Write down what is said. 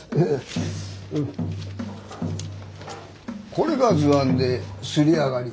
これが図案で刷り上がり。